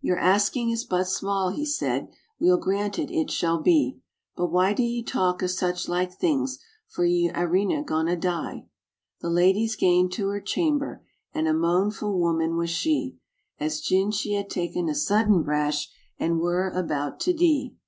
'Your asking is but small," he said; 'Weel granted it shall be. But why do ye talk o' suchlike things? For ye arena going to dee." The lady's gane to her chamber, And a moanfu' woman was she, As gin she had ta'en a sudden brash, And were about to dee.